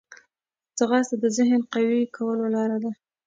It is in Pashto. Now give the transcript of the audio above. ځغاسته د ذهن قوي کولو لاره ده